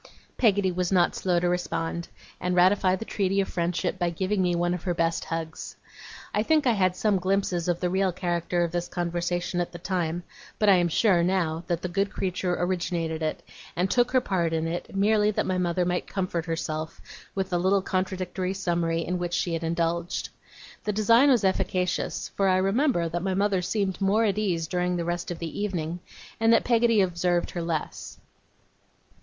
Peggotty was not slow to respond, and ratify the treaty of friendship by giving me one of her best hugs. I think I had some glimpses of the real character of this conversation at the time; but I am sure, now, that the good creature originated it, and took her part in it, merely that my mother might comfort herself with the little contradictory summary in which she had indulged. The design was efficacious; for I remember that my mother seemed more at ease during the rest of the evening, and that Peggotty observed her less.